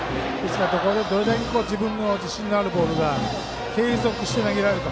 どれだけ、自分の自信のあるボールが継続して投げられるか。